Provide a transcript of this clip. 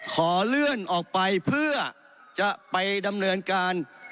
ขอเลื่อนออกไปเพื่อจะไปดำเนินการ